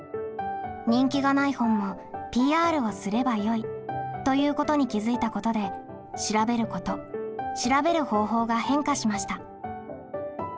「人気がない本もＰＲをすればよい」ということに気づいたことで「調べること」「調べる方法」が変化しました。